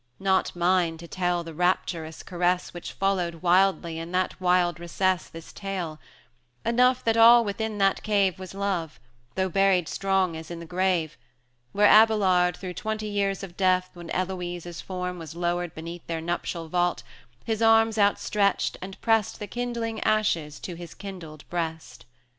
Not mine to tell the rapturous caress Which followed wildly in that wild recess 220 This tale; enough that all within that cave Was love, though buried strong as in the grave, Where Abelard, through twenty years of death, When Eloïsa's form was lowered beneath Their nuptial vault, his arms outstretched, and pressed The kindling ashes to his kindled breast.